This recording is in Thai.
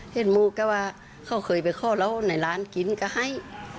เห็นมูกก็ว่าเขาเคยไปข้อเราในร้านกินก็ให้